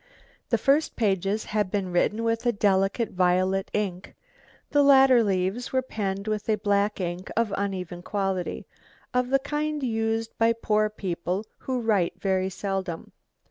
The first pages had been written with a delicate violet ink, the later leaves were penned with a black ink of uneven quality, of the kind used by poor people who write very seldom.